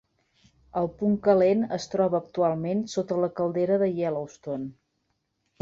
El punt calent es troba actualment sota la Caldera de Yellowstone.